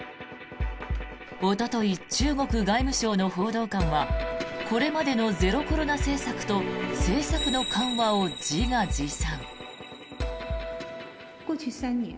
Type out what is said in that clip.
おととい、中国外務省の報道官はこれまでのゼロコロナ政策と政策の緩和を自画自賛。